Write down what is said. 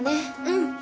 うん。